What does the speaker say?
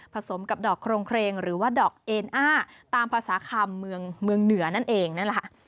สมกับดอกโครงเครงหรือว่าดอกเอนอ้าตามภาษาคำเมืองเหนือนั่นเองนั่นแหละค่ะ